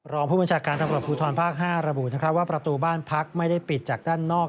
รองผู้บัญชาการตำรวจภูทรภาค๕ระบุว่าประตูบ้านพักไม่ได้ปิดจากด้านนอก